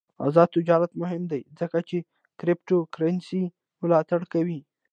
آزاد تجارت مهم دی ځکه چې کریپټو کرنسي ملاتړ کوي.